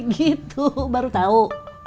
gitu baru tau